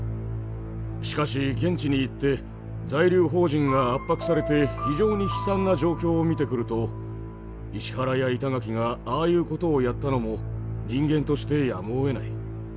しかし現地に行って在留邦人が圧迫されて非常に悲惨な状況を見てくると石原や板垣がああいうことをやったのも人間としてやむをえない。